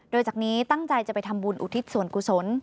โดยจากนี้ตั้งใจจะไปทำบุญอุทิศส่วนกุศล